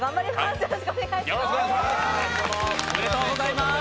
よろしくお願いします。